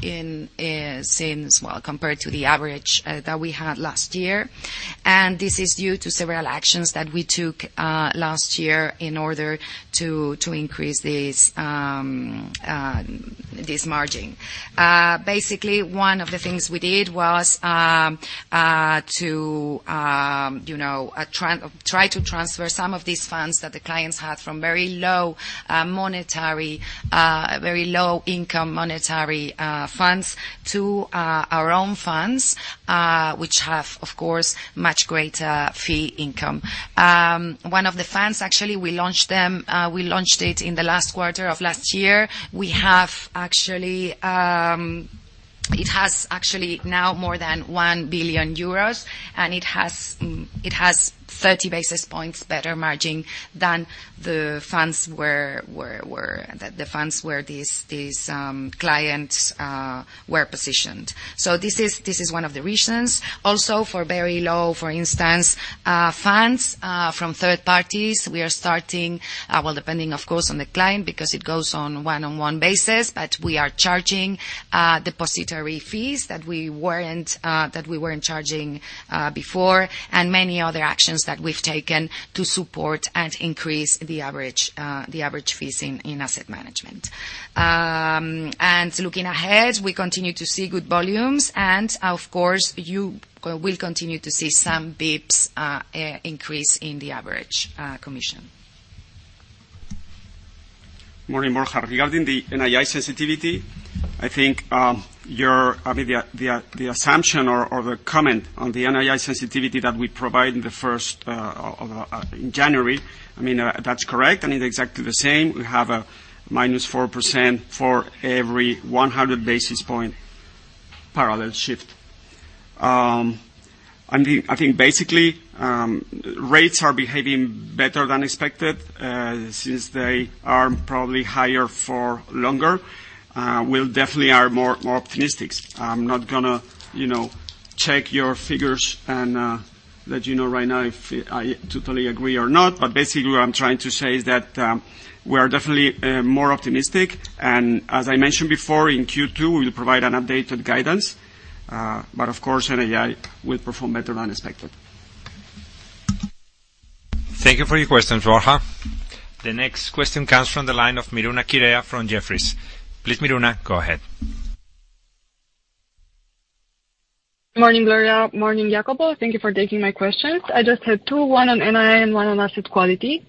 compared to the average that we had last year, and this is due to several actions that we took last year in order to increase this margin. Basically, one of the things we did was to try to transfer some of these funds that the clients had from very low monetary, very low-income monetary funds to our own funds, which have, of course, much greater fee income. One of the funds, actually, we launched it in the last quarter of last year. It has actually now more than 1 billion euros, and it has 30 basis points better margin than the funds where these clients were positioned. So this is one of the reasons. Also, for very low, for instance, funds from third parties, we are starting well, depending, of course, on the client because it goes on one-on-one basis, but we are charging depository fees that we weren't charging before and many other actions that we've taken to support and increase the average fees in asset management. Looking ahead, we continue to see good volumes, and of course, you will continue to see some bps increase in the average commission. Good morning, Borja. Regarding the NII sensitivity, I think the assumption or the comment on the NII sensitivity that we provided in January, I mean, that's correct, and it's exactly the same. We have a minus 4% for every 100 basis point parallel shift. I think, basically, rates are behaving better than expected since they are probably higher for longer. We'll definitely be more optimistic. I'm not going to check your figures and let you know right now if I totally agree or not, but basically, what I'm trying to say is that we are definitely more optimistic, and as I mentioned before, in Q2, we will provide an updated guidance, but of course, NII will perform better than expected. Thank you for your questions, Borja. The next question comes from the line of Miruna Chirea from Jefferies. Please, Miruna, go ahead. Good morning, Gloria. Morning, Jacobo. Thank you for taking my questions. I just had two, one on NII and one on asset quality.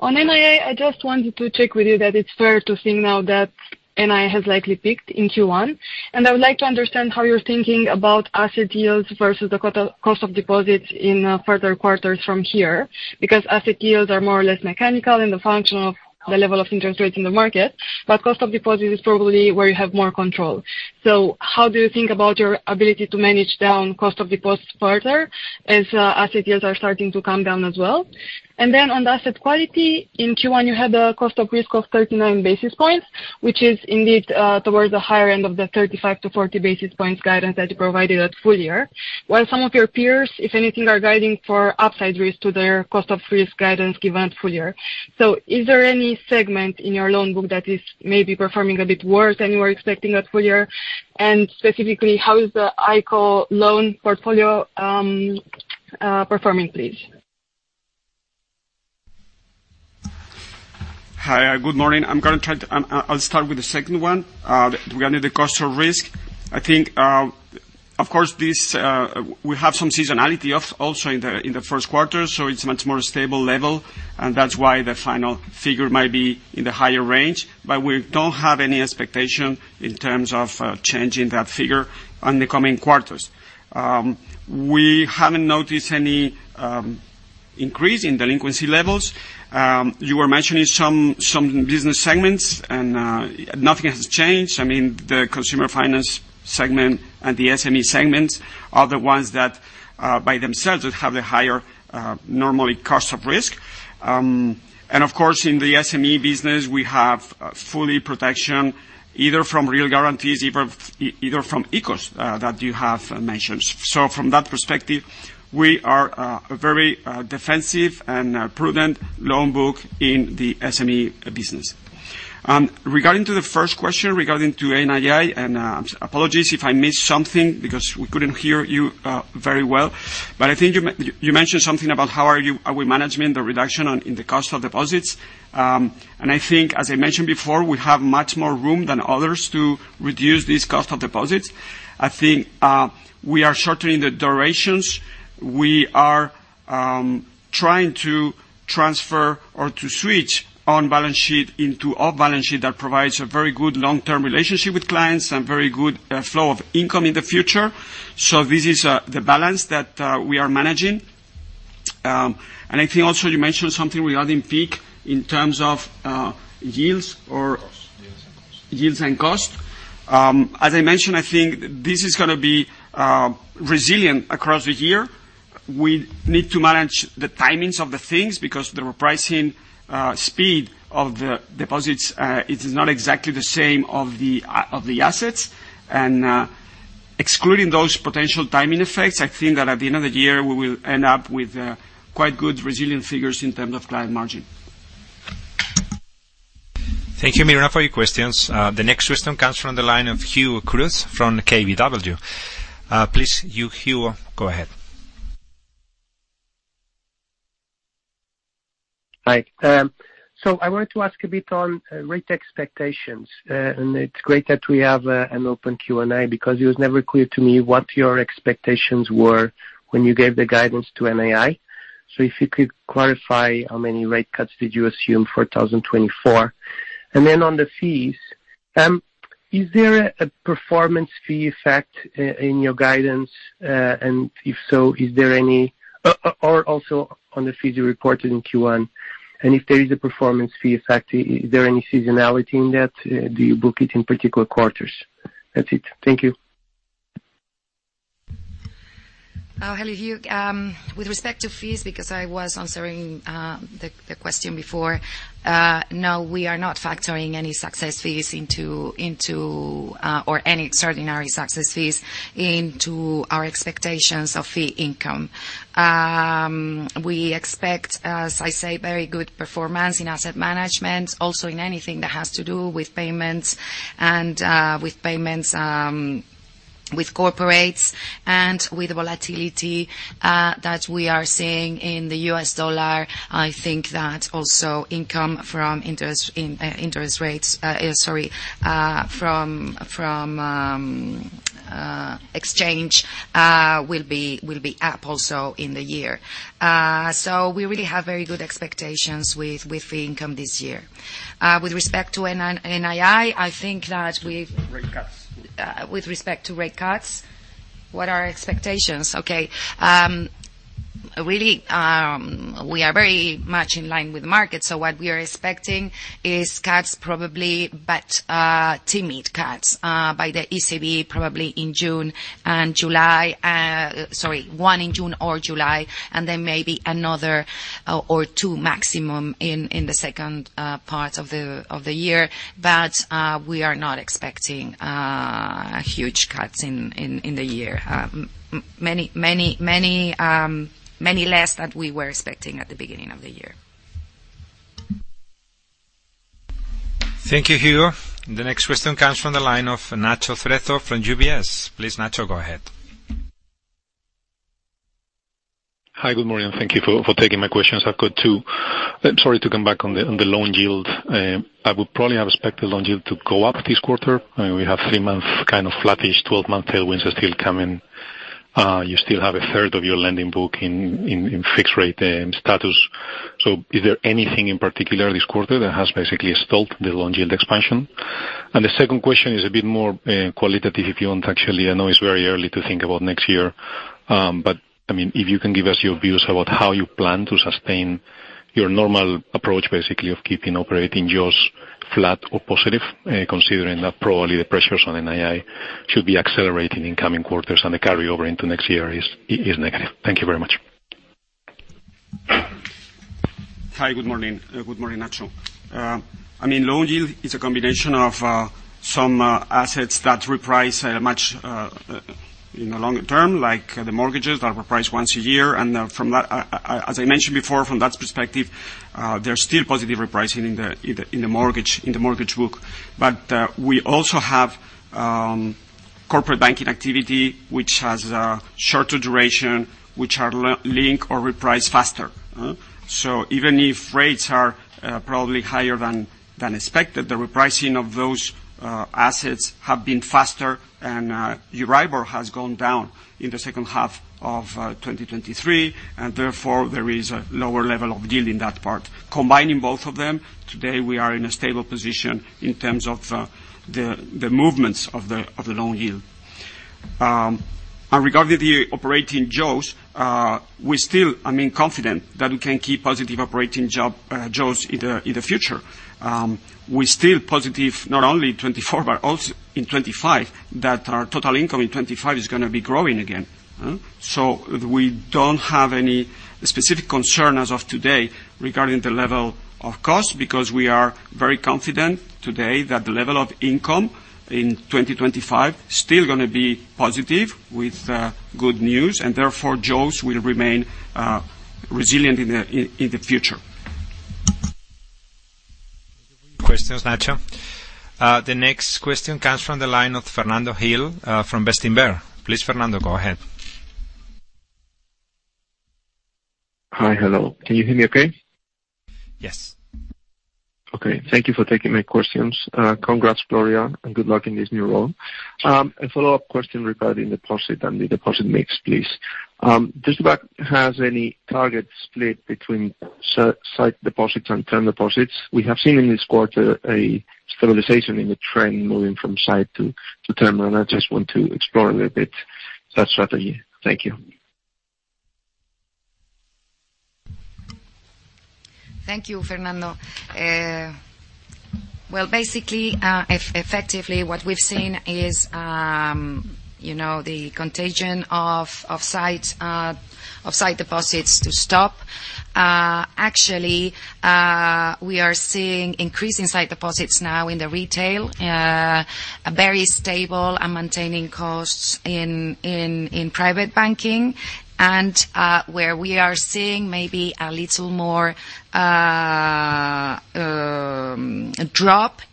On NII, I just wanted to check with you that it's fair to think now that NII has likely peaked in Q1, and I would like to understand how you're thinking about asset yields versus the cost of deposits in further quarters from here because asset yields are more or less mechanical in the function of the level of interest rates in the market, but cost of deposits is probably where you have more control. So how do you think about your ability to manage down cost of deposits further as asset yields are starting to come down as well? Then on the asset quality, in Q1, you had a cost of risk of 39 basis points, which is indeed towards the higher end of the 35-40 basis points guidance that you provided at full year, while some of your peers, if anything, are guiding for upside risk to their cost of risk guidance given at full year. Is there any segment in your loan book that is maybe performing a bit worse than you were expecting at full year? Specifically, how is the ICO loan portfolio performing, please? Hi. Good morning. I'll start with the second one regarding the cost of risk. Of course, we have some seasonality also in the first quarter, so it's a much more stable level, and that's why the final figure might be in the higher range, but we don't have any expectation in terms of changing that figure in the coming quarters. We haven't noticed any increase in delinquency levels. You were mentioning some business segments, and nothing has changed. I mean, the consumer finance segment and the SME segments are the ones that, by themselves, have the higher normally cost of risk. And of course, in the SME business, we have fully protection either from real guarantees either from ICOs that you have mentioned. So from that perspective, we are a very defensive and prudent loan book in the SME business. Regarding to the first question regarding to NII, and apologies if I missed something because we couldn't hear you very well, but I think you mentioned something about how are we managing the reduction in the cost of deposits. And I think, as I mentioned before, we have much more room than others to reduce these cost of deposits. I think we are shortening the durations. We are trying to transfer or to switch on-balance sheet into off-balance sheet that provides a very good long-term relationship with clients and very good flow of income in the future. So this is the balance that we are managing. And I think also you mentioned something regarding peak in terms of yields or cost. Yields and cost. Yields and cost. As I mentioned, I think this is going to be resilient across the year. We need to manage the timings of the things because the repricing speed of the deposits. It's not exactly the same of the assets. Excluding those potential timing effects, I think that at the end of the year, we will end up with quite good resilient figures in terms of client margin. Thank you, Miruna, for your questions. The next question comes from the line of Hugo Cruz from KBW. Please, Hugo, go ahead. Hi. So I wanted to ask a bit on rate expectations, and it's great that we have an open Q&A because it was never clear to me what your expectations were when you gave the guidance to NII. So if you could clarify how many rate cuts did you assume for 2024? And then on the fees, is there a performance fee effect in your guidance, and if so, is there any or also on the fees you reported in Q1, and if there is a performance fee effect, is there any seasonality in that? Do you book it in particular quarters? That's it. Thank you. Hello, Hugo. With respect to fees, because I was answering the question before, no, we are not factoring any success fees or any extraordinary success fees into our expectations of fee income. We expect, as I say, very good performance in asset management, also in anything that has to do with payments and with corporates and with volatility that we are seeing in the US dollar. I think that also income from interest rates, sorry, from exchange will be up also in the year. So we really have very good expectations with fee income this year. With respect to NII, I think that we with respect to rate cuts, what are our expectations? Okay. Really, we are very much in line with the market, so what we are expecting is cuts probably but timid cuts by the ECB probably in June and July sorry, one in June or July, and then maybe another or two maximum in the second part of the year. But we are not expecting huge cuts in the year, many, many, many less than we were expecting at the beginning of the year. Thank you, Hugo. The next question comes from the line of Ignacio Cerezo from UBS. Please, Nacho, go ahead. Hi. Good morning. Thank you for taking my questions. I've got two sorry, to come back on the loan yield. I would probably have expected loan yield to go up this quarter. I mean, we have three-month kind of flattish 12-month tailwinds still coming. You still have a third of your lending book in fixed-rate status. So is there anything in particular this quarter that has basically stalled the loan yield expansion? And the second question is a bit more qualitative, if you want. Actually, I know it's very early to think about next year, but I mean, if you can give us your views about how you plan to sustain your normal approach, basically, of keeping operating yields flat or positive, considering that probably the pressures on NII should be accelerating in coming quarters and the carryover into next year is negative. Thank you very much. Hi. Good morning. Good morning, Nacho. I mean, loan yield, it's a combination of some assets that reprice much in the longer term, like the mortgages that reprice once a year. As I mentioned before, from that perspective, there's still positive repricing in the mortgage book. But we also have corporate banking activity, which has shorter duration, which are linked or reprice faster. So even if rates are probably higher than expected, the repricing of those assets has been faster, and Euribor has gone down in the second half of 2023, and therefore, there is a lower level of yield in that part. Combining both of them, today, we are in a stable position in terms of the movements of the loan yield. Regarding the operating yields, we still, I mean, confident that we can keep positive operating yields in the future. We still positive not only 2024 but also in 2025 that our total income in 2025 is going to be growing again. So we don't have any specific concern as of today regarding the level of cost because we are very confident today that the level of income in 2025 is still going to be positive with good news, and therefore, yields will remain resilient in the future. Thank you for your questions, Nacho. The next question comes from the line of Fernando Gil from Bestinver. Please, Fernando, go ahead. Hi. Hello. Can you hear me okay? Yes. Okay. Thank you for taking my questions. Congrats, Gloria, and good luck in this new role. A follow-up question regarding deposit and the deposit mix, please. Does the bank have any target split between sight deposits and term deposits? We have seen in this quarter a stabilization in the trend moving from sight to term, and I just want to explore a little bit that strategy. Thank you. Thank you, Fernando. Well, basically, effectively, what we've seen is the contagion from sight deposits to stop. Actually, we are seeing increasing sight deposits now in the retail, very stable and maintaining costs in private banking, and where we are seeing maybe a little more drop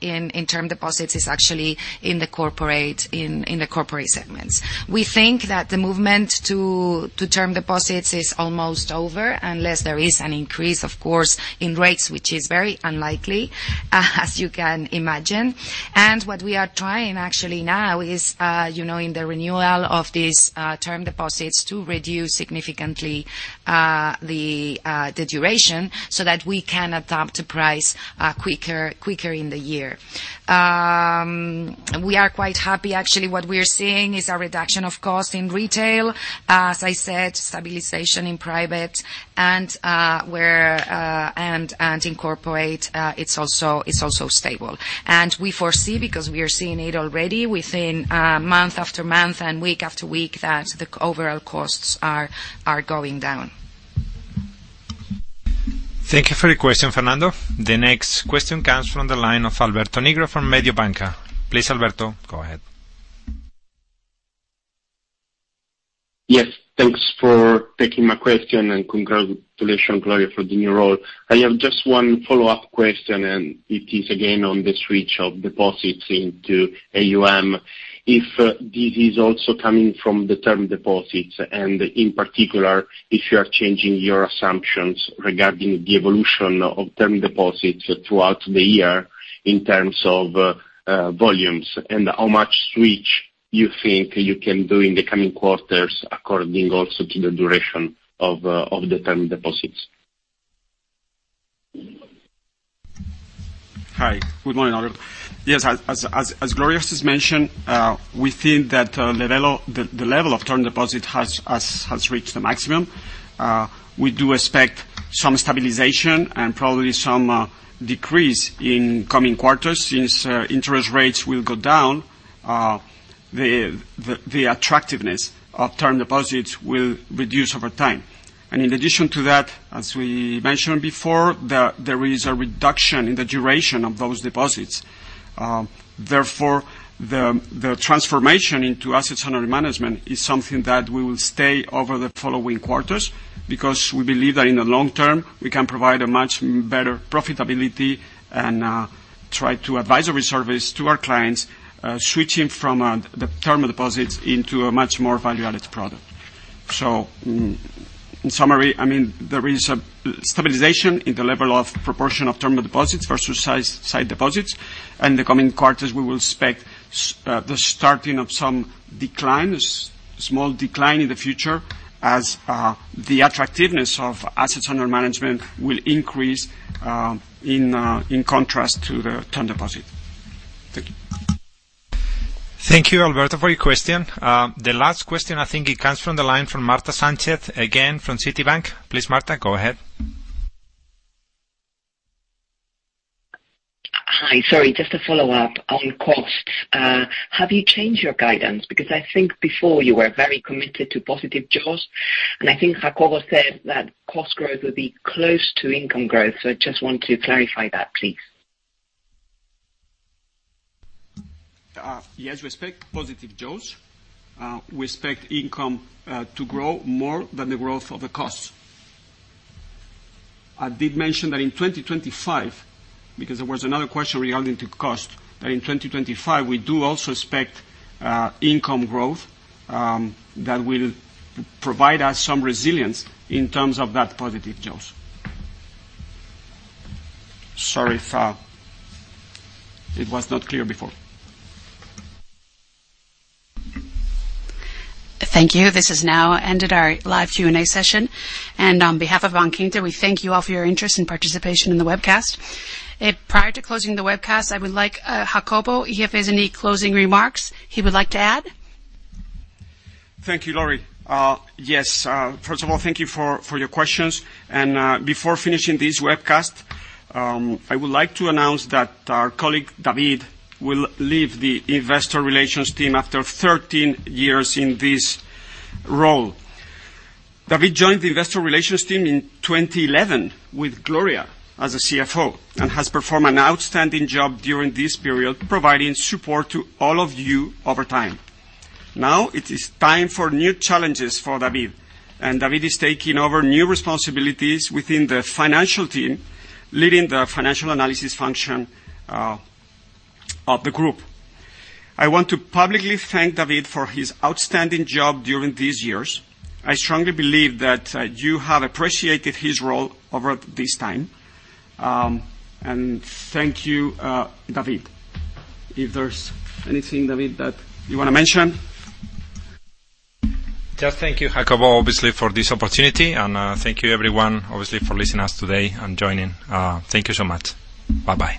in term deposits is actually in the corporate segments. We think that the movement to term deposits is almost over unless there is an increase, of course, in rates, which is very unlikely, as you can imagine. And what we are trying, actually, now is in the renewal of these term deposits to reduce significantly the duration so that we can adapt the price quicker in the year. We are quite happy. Actually, what we are seeing is a reduction of cost in retail. As I said, stabilization in private, and in corporate, it's also stable. We foresee, because we are seeing it already within month after month and week after week, that the overall costs are going down. Thank you for your question, Fernando. The next question comes from the line of Alberto Nigro from Mediobanca. Please, Alberto, go ahead. Yes. Thanks for taking my question, and congratulations, Gloria, for the new role. I have just one follow-up question, and it is, again, on the switch of deposits into AUM. If this is also coming from the term deposits, and in particular, if you are changing your assumptions regarding the evolution of term deposits throughout the year in terms of volumes and how much switch you think you can do in the coming quarters according also to the duration of the term deposits? Hi. Good morning, Alberto. Yes. As Gloria has mentioned, we think that the level of term deposit has reached the maximum. We do expect some stabilization and probably some decrease in coming quarters since interest rates will go down. The attractiveness of term deposits will reduce over time. In addition to that, as we mentioned before, there is a reduction in the duration of those deposits. Therefore, the transformation into assets under management is something that we will stay over the following quarters because we believe that in the long term, we can provide a much better profitability and try to advise our service to our clients switching from the term deposits into a much more value-added product. So in summary, I mean, there is a stabilization in the level of proportion of term deposits versus sight deposits, and in the coming quarters, we will expect the starting of some declines, small decline in the future as the attractiveness of assets under management will increase in contrast to the term deposit. Thank you. Thank you, Alberto, for your question. The last question, I think it comes from the line from Marta Sánchez, again, from Citi. Please, Marta, go ahead. Hi. Sorry, just a follow-up on costs. Have you changed your guidance? Because I think before you were very committed to positive yields, and I think Jacobo said that cost growth would be close to income growth, so I just want to clarify that, please. Yes. We expect positive yields. We expect income to grow more than the growth of the costs. I did mention that in 2025 because there was another question regarding to costs that in 2025, we do also expect income growth that will provide us some resilience in terms of that positive yields. Sorry if it was not clear before. Thank you. This has now ended our live Q&A session. On behalf of Bankinter, we thank you all for your interest and participation in the webcast. Prior to closing the webcast, I would like Jacobo, if he has any closing remarks he would like to add. Thank you, Laurie. Yes. First of all, thank you for your questions. Before finishing this webcast, I would like to announce that our colleague David will leave the investor relations team after 13 years in this role. David joined the investor relations team in 2011 with Gloria as a CFO and has performed an outstanding job during this period providing support to all of you over time. Now, it is time for new challenges for David, and David is taking over new responsibilities within the financial team leading the financial analysis function of the group. I want to publicly thank David for his outstanding job during these years. I strongly believe that you have appreciated his role over this time. Thank you, David. If there's anything, David, that you want to mention. Just thank you, Jacobo, obviously, for this opportunity, and thank you, everyone, obviously, for listening us today and joining. Thank you so much. Bye-bye.